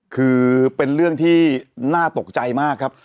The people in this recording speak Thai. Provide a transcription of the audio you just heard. คือเป็นเรื่องที่น่าตกใจมากครับ